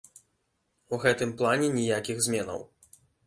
У гэтым плане ніякіх зменаў.